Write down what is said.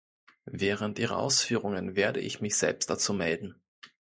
Während Ihrer Ausführungen werde ich mich selbst dazu melden.